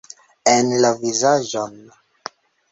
En la vizaĝon!